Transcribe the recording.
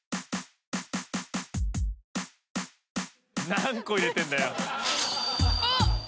何個入れてんだよ！